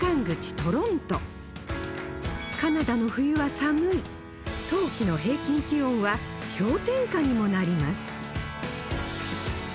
トロントカナダの冬は寒い冬季の平均気温は氷点下にもなります